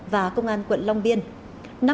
và công an quận long biên